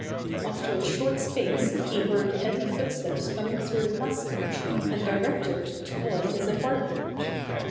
After a short space he heard heavy footsteps coming through the passage, and directed toward his apartment.